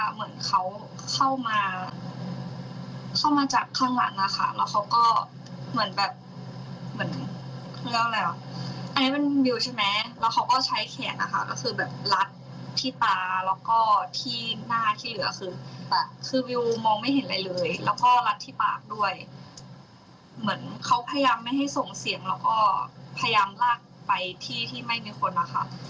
เหมือนเขาพยายามไม่ให้ส่งเสียงแล้วก็พยายามลากไปที่ไม่มีคนนะคะ